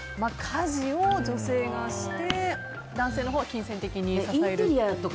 家事を女性がして男性のほうは金銭的に支えると。